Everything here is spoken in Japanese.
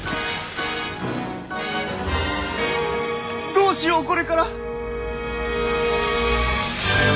どうしようこれから！